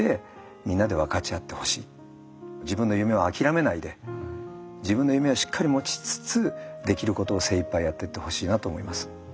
自分の夢を諦めないで自分の夢をしっかり持ちつつできることを精いっぱいやっていってほしいなと思います。